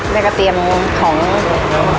แม่ก็เตรียมของ